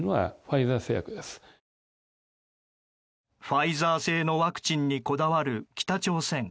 ファイザー製のワクチンにこだわる北朝鮮。